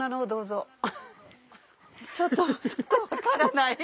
ちょっとちょっと分からない。